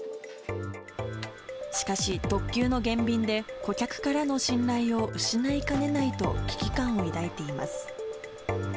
しかし、特急の減便で顧客からの信頼を失いかねないと危機感を抱いています。